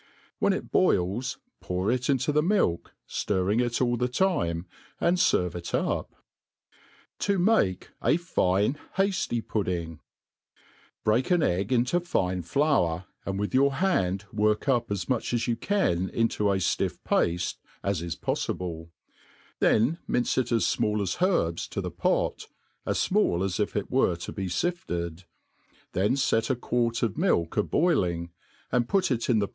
When it boils, pour ic into the milk, ftirring it all the time, and ferve it up. 7i make a fine Hajly' Pudding* BREAK an egg into fine flour, and with your hand work upas much as you can into as fiiff pafte as is polTible \ thpn mince it as fmall as herbs to the pot, as fmail as if it were to be fifted ; then fet a quart of milk a boiling, and put it in the